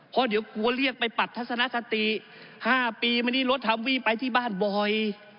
เพราะเดี๋ยวกลัวเรียกไปปัดทัศนคติ๕ปีมานี่รถฮัมวี่ไปที่บ้านบ่อย